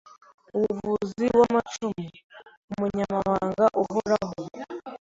Umuvuzi w’amacumu: Umunyamabanga Uhoraho